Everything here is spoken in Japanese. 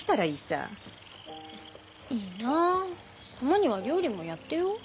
いいなたまには料理もやってよ。